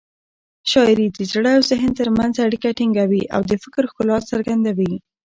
شاعري د زړه او ذهن تر منځ اړیکه ټینګوي او د فکر ښکلا څرګندوي.